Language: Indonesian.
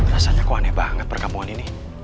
rasanya kok aneh banget perkampungan ini